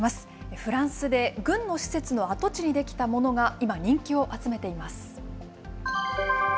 フランスで軍の施設の跡地に出来たものが今、人気を集めています。